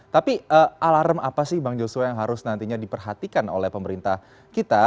tapi alarm apa sih bang joshua yang harus nantinya diperhatikan oleh pemerintah kita